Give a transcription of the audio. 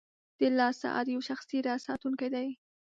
• د لاس ساعت یو شخصي راز ساتونکی دی.